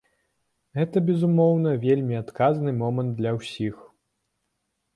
Гэта, безумоўна, вельмі адказны момант для ўсіх.